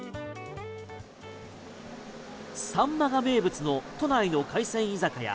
サンマが名物の都内の海鮮居酒屋